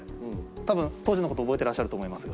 多分当時の事覚えてらっしゃると思いますが。